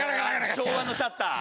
昭和のシャッター！